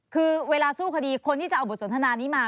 คือเวลาสู้คดีคนที่จะเอาบทสนทนานี้มา